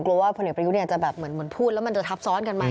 ว่าพลเอกประยุทธ์เนี่ยจะแบบเหมือนพูดแล้วมันจะทับซ้อนกันไหม